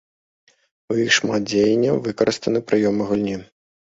У іх шмат дзеяння, выкарыстаны прыёмы гульні.